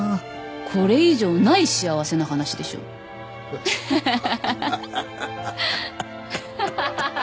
これ以上ない幸せな話でしょ。ハハハハハハ。